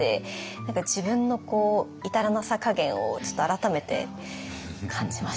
何か自分の至らなさかげんをちょっと改めて感じました。